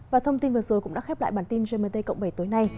và thông tin vừa rồi cũng đã khép lại bản tin gmt cộng bảy tối nay